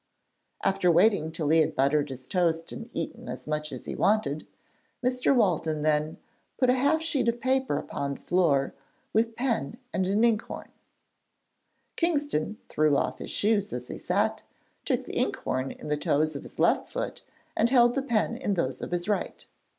After waiting till he had buttered his toast and eaten as much as he wanted, Mr. Walton then 'put half a sheet of paper upon the floor, with a pen and an ink horn. Kingston threw off his shoes as he sat, took the ink horn in the toes of his left foot, and held the pen in those of his right.